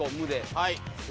はい。